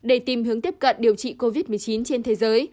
để tìm hướng tiếp cận điều trị covid một mươi chín trên thế giới